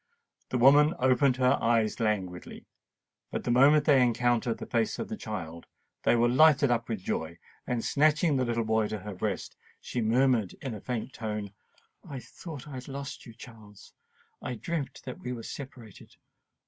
The woman opened her eyes languidly; but the moment they encountered the face of the child, they were lighted up with joy; and snatching the boy to her breast, she murmured in a faint tone, "I thought I had lost you, Charles—I dreamt that we were separated!